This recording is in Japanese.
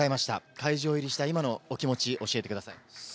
会場入りした今のお気持ちを教えてください。